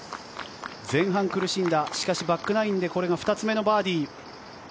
前半苦しんだしかしバックナインでこれが２つ目のバーディー。